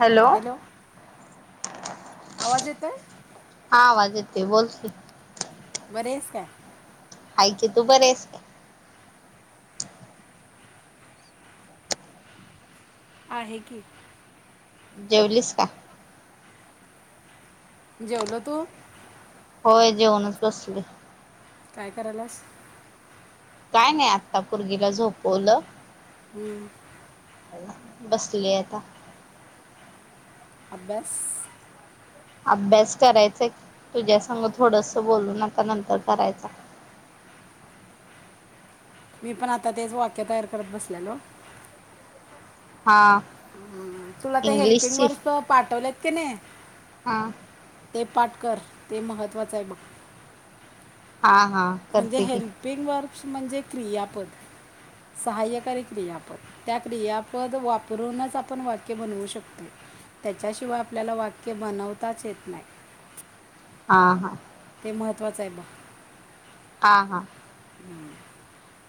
Hello ह आवाज येत आहे आवाज येतो ये बोल की बरी आहेस काय. आहे की तू बरी आहेस का आहे की जेवलीस का जेवला तू होय जेवणवूनच बसले काय करायाल्यास काय नई आता पोरगीला झोपवलं. [unintelligible] बसले आता अभ्यास अभ्यास करायचा की तुझ्या संग थोडस बोलून आता नंतर करायचा मी पण आता तेच वाक्य तयार करत बसलेलो हा तु ते हेल्पीग इंग्लिशची वरच पाठवलेत क नाही हा ते पाठ कर ते महत्त्वाचे आहे बघ. हा हा म्हणजे करते की हेल्पिंग वर्क्स म्हणजे क्रियापद सहाय्यकारी क्रियापद त्या क्रियापद वापरूनच आपण वाक्य बनवू शकतो त्याच्याशिवाय आपल्याला वाक्य बनवताच येत नाही. हा हा महत्वाचा आहे ब हा हा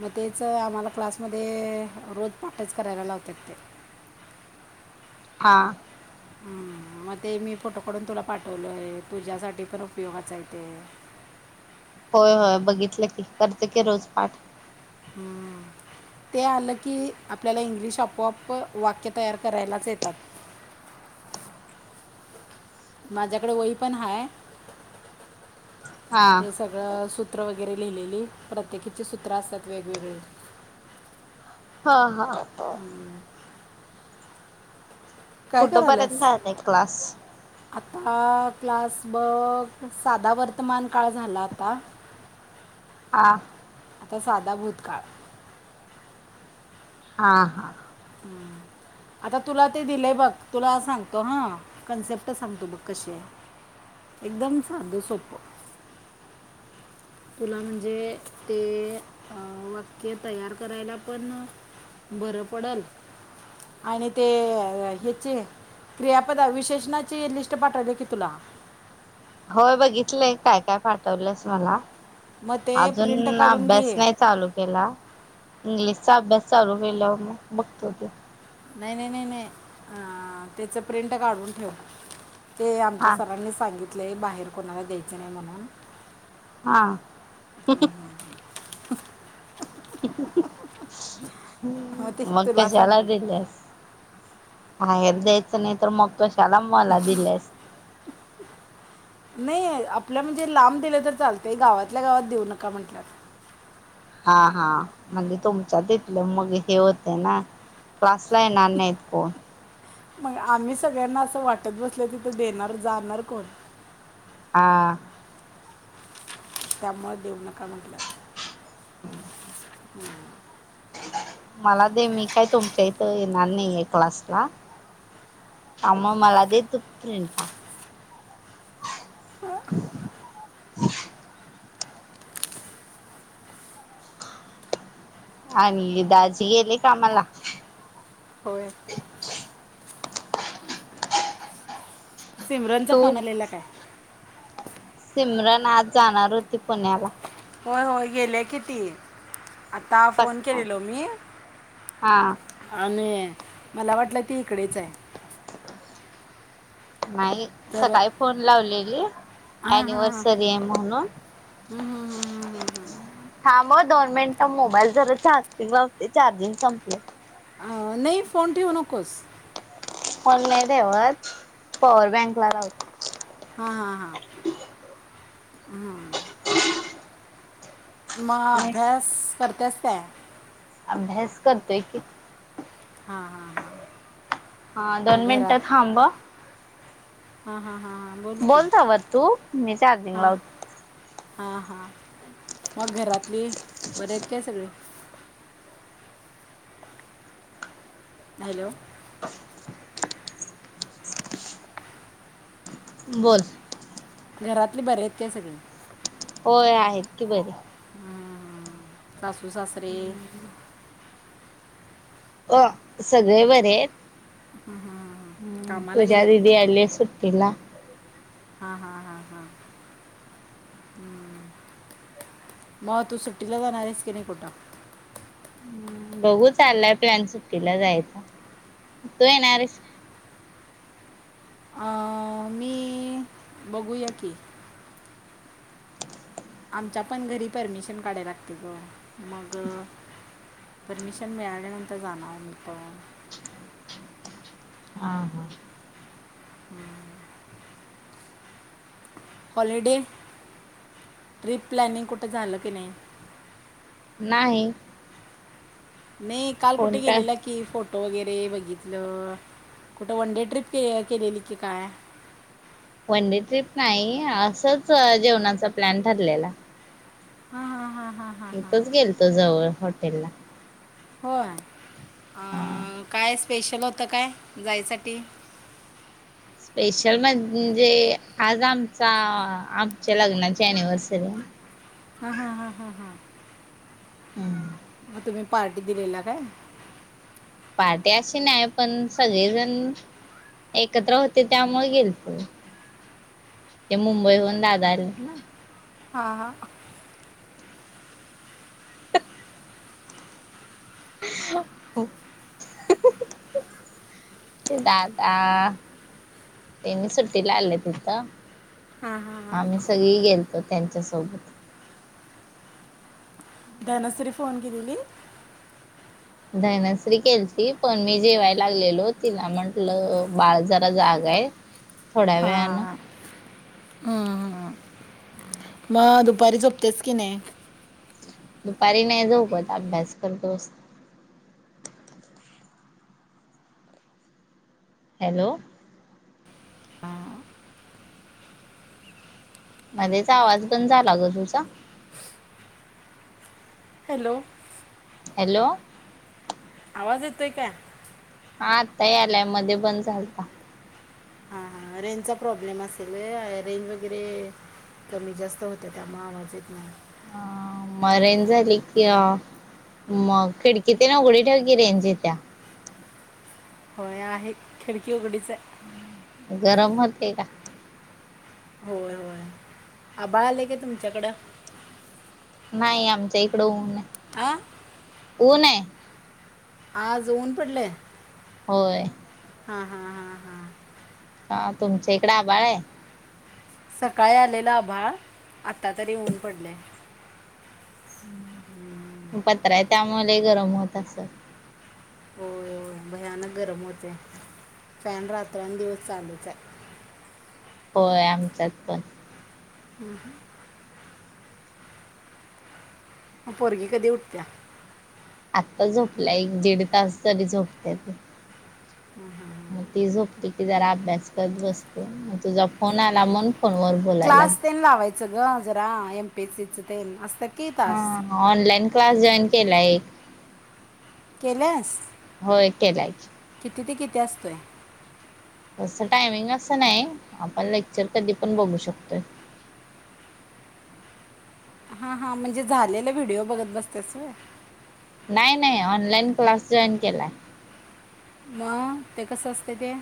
म तेच आम्हाला क्लास मध्ये रोज पाठच करायला लावतेत ते. हा ते मी फोटो काढून तुला पाठवलेले तुझ्यासाठी पण उपलयोगाच आहे ते. होय होय बघितले की करते की रोज पाठ. ते आले की आपोआप आपल्याला इंग्लिश वाक्य तयार करायलाच येतात. माझ्याकडे वही पण आहे हा ते सगळं सूत्र वगैरे लिहिलेले प्रत्येकाचे सूत्र असतात वेगवेगळे ह ह ह काय फोटो पाण्यात आला हा क्लास बघ साधा वर्तमान काळ झाला आता. हा आता साधा भूतकाळ हा हा आता तुला ते दिलंय बघ तुला सांगतो ह कन्सेप्ट सांगतो कशी आहे एकदम साधी सोपी. तुला म्हणजे ते वाक्य करायला पण बरं पडल आणि ते हेचे क्रियापद अविशेष ह ची लिस्ट पाठवली की तुला लय काय काय पाठवल्यास मला मग ते प्रिंट अजून काढून अभ्यास घे नाही चालू केला इंग्लिशचा अभ्यास चालू केल्यावर बघतो ते नाय-नाय-नाय तेचं प्रिंट काढून ठेव. ते आमच्या हा सरांनी सांगितलय बाहेर कुणाला द्यायचं नाही म्हणून हा [inaudible] [inaudible] [unintelligible] हम्म! ते मग तुला कशाला सांगाल दिल्यास? आहेर द्यायचं नाही तर मग कशाला मला दिल्यास? आपलं म्हणजे लांब दिलं तर चालतंय गावातल्या गावात देऊ नका म्हणल्यात हा-हा म्हणजे तुमच्या तिथलं मग हे होतंय ना. क्लासला येणार नाहीत कोण. [inaudible] नाही आम्ही सगळ्यांना असं वाटत बसलं तर देणार जाणार कोण? हा. [inaudible] त्यामुळे देऊ नका म्हणल्यात हम्म! माला दे मी काय तुमच्या इथं येणार नाही ये क्लासला. हा म मला दे तू प्रिंटा. [unintelligible] [unintelligible] आणि दाजी गेले कामाला. होय? [inaudible] सिमरनचा तू फोन आलेला काय? [inaudible] सिमरन आज जाणार होती पुण्याला होय-होय गेल्या कि ती. आता फोन सकाळी केलेलो मी हा. आणि मला वाटलं ती इकडेच हाय. नाही तर सकाळी फोन लावलेली हां हां हां एनिवर्सरी हाय म्हणून हम्म, हम्म, हम्म, हम्म, हम्म. थांब म दोन मिनिटं मोबाईल जरा चार्जिंग लावते. चार्जिंग संपलंय. ह नाही फोन ठेवू नकोस. फोन नाही ठेवत, पॉवर बँक ला लाव [inaudible] हा - हा हा म अभ्यास कर त्याच काय? अभ्यास करतोय की [inaudible] हा -हा हा हा दोन मिनिट थांब. हा -हा बोल तवर तू मी चार्जिंग लावते. हा हा मग घरातली बरी आहेत काय सगळे हॅलो बोल घरातली बरी आहेत का सगळी होय आहेत की बरी. हा-हा सासू-सासरे हो सगळे बरेत आहेत. हुं कामाला पूजा गेलेत दीदी हा हा हा हा हुं म तू सुट्टीला जाणार आहेस की नाही कूठ? बघू चाल्ला आहे प्लान सुट्टीला जायचा तू येणार आहेस आं मी बघूया की आमच्या पण घरी परमिशन काढाय लागती गं, मग परमिशन मिळालया नंतर जाणार मी पण आ हा हा [inaudible] हॉलीडे प्री प्लानिंग कुठे झाले का नाही? नाही नई काल कुठ कोण काय गेलेला की फोटो वैगरे ते बघितलं कुठे वन डे ट्रीप अ के केलेली की काय वन डे ट्रीप नाही असच जेवणाचा प्लॅन ठरलेला हा हा हा इथेच गेलोतो जवळ हो हाॅटेला होय आं काय स पेषल आता काय जायसाठी स्पेशल म्हणजे आज आमचा आमच्या लग्नाची एनव्हरसरी आहे. रिकामा ऑडिओ मग तुम्ही पार्टी दिलेला काय? पार्टी अशी नाय पण सगळीजणं एकत्र होतो. त्यामुळ गेलतो ते मुंबईहुन दादा आलेत ना. हा-हा दादा तेनी सुट्टीला आलेत इथ आम्ही सगळी गेलतो त्यांच्या सोबत धनश्री फोन केलेली धनश्री केलती पण मी जेवाय लागलेलो तिला म्हटलं बाळ जरा जाग आहे. थोड्या वेळानं हां हुं हुं मग दुपारी झोपतेस की नाय? दुपारी नाही झोपत अभ्यास करत बसते. हॅलो मध्येच आवाज बंद झाला ग तुझा हॅलो हॅलो? आवाज येतंय काय? हा आत्ता यायलाय मधे बंद झालता. हां रेंजचा प्रॉब्लेम असेल लई हाय रेंज वगैरे कमी जास्त होत्या त्यामुळं आवाज येत नाय. आ मग रेंज आली की अ मग खिडकी तेन उघडी ठेव की रेंज येत्या. होय आहे खिडकी उघडीच आहे. गरम होतेय का? व्हय व्हय, आभाळ आलंय काय तुमच्याकडं? नाही आमच्या हिकडं ऊन हाय. आं? कोण ये? आज ऊन पडलंय? होय. हां-हां-हां! आ तुमच्या हिकडं आभाळ हाय? सकाळी आलेलं आभाळ... आत्ता तरी ऊन पडलंय हम [inaudible] य त्यामुळं लै गरम होत असल? होय होय भयानक गरम होतय फॅन रात्रन दिवस चालूच आहे. होय आमच्यात पण [inaudible] मं पोरगी कधी उठत्या आत्ता झोपलाय एक दीड तास झाली झोप त्याची [inaudible] ती झोपली की जरा अभ्यास करत बसते म तुझा फोन आला म्हणू क्लास तेन लावायच ग जरा एमपीएसी च तेन असतेन हा हा ऑनलाइन क्लास जॉइन केला एक केल्यास होय केलाय की किती किती असतोय? तसं टायमिंग अस नाय आपण लेक्चर कधी पण बघू शकतोय. हा हा म्हणजे झालेलं व्हिडिओ बघत बसतेस होय. नाय नाय ऑनलाइन क्लास जॉइन केलाय. म ते कसं असतय ते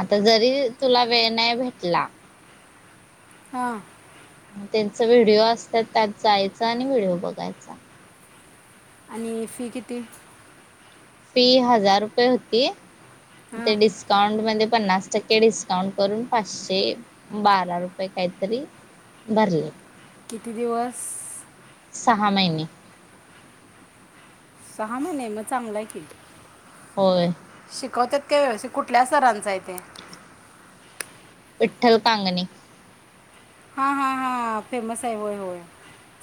आता जरी तुला वेळ नाय भेटला हां तेंच व्हिडिओ असत्यात त्यात जायचं आणि बघायचा आणि फी किती? फी हजार रुपये होती. ते हां डिस्काउंट मध्ये पन्नास टक्के डिस्काउंट करून पाचशे बारा रुपये काय तरी भरले. किती दिवस? सहा महिने सहा महिने मग चांगलं हाय की, होय शिकवत्यात..... ते कुठल्या सरांचं हाय ते विठ्ठल कांगणे. हा फेमस हाय होय होय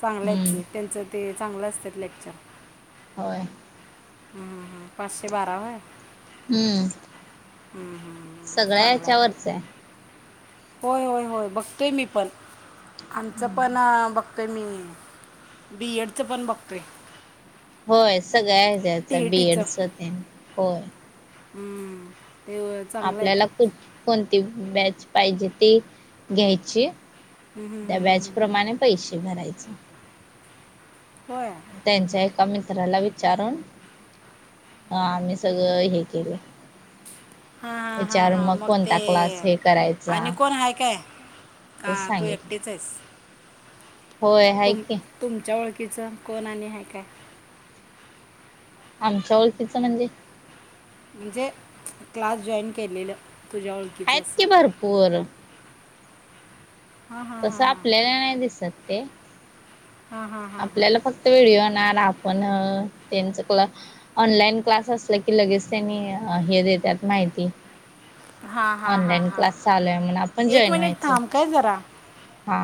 चांगले हम्म हाईतकी तेंच ते..... चांगल असत्यात लेक्चर,........ होय हं पाशेबारा व्हय. हम्म सगळ्या चांगलं ह्याच्या आहे वरचा हाय. होय होय होय बघतोय मी पण आमचं पण आ बघ.... कमी होईन बीएडच पण बघतोय होय सगळ्या हेज टी ई त्याच बी एड च तेन.... होय. हम्म आपल्याला कु--पण ती बॅच पाहिजे ती घ्यायची... त्या बॅच प्रमाणे पैसे भराय [inaudible] होय. एका मित्राला विचारून आम्ही सगळं हे केलंय... हा हा हा मग ते हे करायचा आणि कोण हाय काय? का तेच तू एकटीच सांगितलं हाईस होय हाय की तुमच्या ओळखीचं कोण आणि हाय काय? आमच्या ओळखीच म्हणजे म्हणजे क्लास जॉईन केलेलं..... तुझ्या ओळखीचं हायत असं की भरपूर तसं आपल्याला नाय दिसत ते आपल्याला फक्त [unintelligible] पण त्यांचं क्ला ऑनलाईन क्लास असलं की लगेच त्यांनी हे देत्यात माहिती. हां हां हां ऑनलाईन हां क्लास चालू आहे म्हणून आपण एक जॉईन मिनिट व्हायचं थांब काय जरा हा